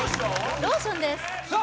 ローションですさあ